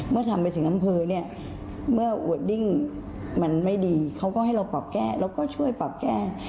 ทำไปถึงอำเภอเนี่ยเมื่ออวดดิ้งมันไม่ดีเขาก็ให้เราปรับแก้แล้วก็ช่วยปรับแก้